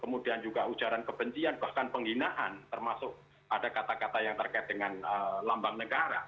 kemudian juga ujaran kebencian bahkan penghinaan termasuk ada kata kata yang terkait dengan lambang negara